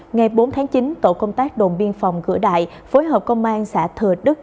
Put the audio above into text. ngày bốn tháng chín tổ công tác đồn biên phòng cửa đại phối hợp công an xã thừa đức